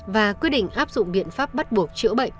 và quyết định áp dụng biện pháp bắt buộc chữa bệnh